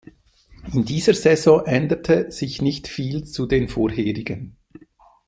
In dieser Saison änderte sich nicht viel zu den vorherigen.